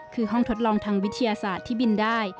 คือห้องทดลองทางวิทยาศาสตร์ที่บินได้